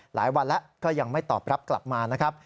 หลายวันแล้วก็ยังไม่ตอบรับกลับมานะครับ